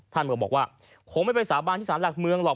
ก็บอกว่าคงไม่ไปสาบานที่สารหลักเมืองหรอก